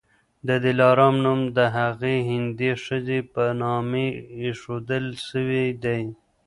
د دلارام نوم د هغي هندۍ ښځي پر نامي ایښودل سوی دی.